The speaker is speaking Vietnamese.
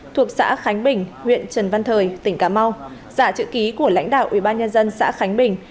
thuộc xã khánh bình huyện trần văn thời tỉnh cà mau giả chữ ký của lãnh đạo ubnd xã khánh bình